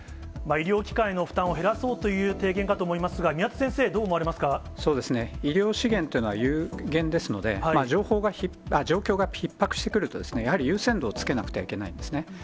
医療機関への負担を減らそうという提言だと思いますが、宮田先生、そうですね、医療資源というのは有限ですので、状況がひっ迫してくると、やはり優先度をつけなくてはいけないんですね。